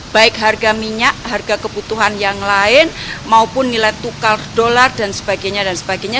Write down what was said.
baik harga minyak harga kebutuhan yang lain maupun nilai tukar dolar dan sebagainya dan sebagainya